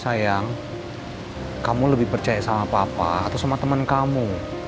sayang kamu lebih percaya sama papa atau sama teman kamu